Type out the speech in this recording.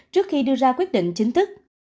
trước khi đưa ra quyết định chính thức